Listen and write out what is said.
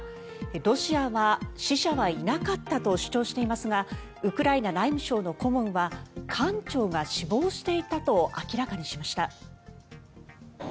ロシアは死者はいなかったと主張していますがウクライナ内務省の顧問は艦長が死亡していたと明らかにしました。